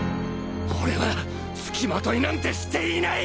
俺は付きまといなんてしていない！！